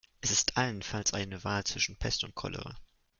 Es ist allenfalls eine Wahl zwischen Pest und Cholera.